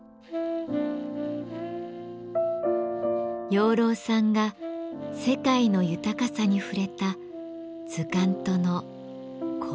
養老さんが世界の豊かさに触れた図鑑との幸福な出会い。